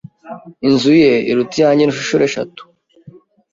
Inzu ye iruta iyanjye inshuro eshatu.